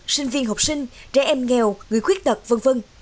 sinh viên học sinh trẻ em nghèo người khuyết tật v v